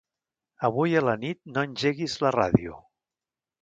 Avui a la nit no engeguis la ràdio.